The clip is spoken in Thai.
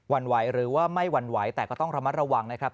วันไหวหรือว่าไม่หวั่นไหวแต่ก็ต้องระมัดระวังนะครับ